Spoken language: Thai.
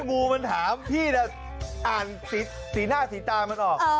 งูมันถามพี่จะอ่านสีหน้าสีตามันออก